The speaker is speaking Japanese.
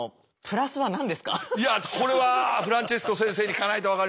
いやこれはフランチェスコ先生に聞かないと分かりません。